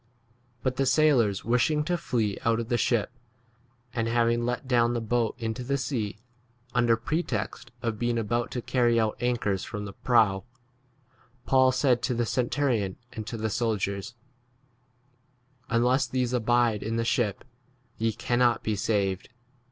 30 But the sailors wishing to flee out of the ship, and having let down the boat into the sea under pretext of being about to carry 31 out anchors from the prow, Paul said to the centurion and to the soldiers, Unless these abide in the 82 ship ye cannot be saved.